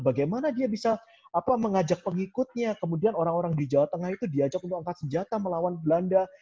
bagaimana dia bisa mengajak pengikutnya kemudian orang orang di jawa tengah itu diajak untuk angkat senjata melawan belanda